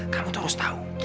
kamu harus tahu